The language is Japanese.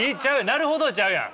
なるほどちゃうやん。